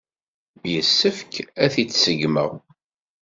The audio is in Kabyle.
Yessefk ad t-id-ṣeggmeɣ.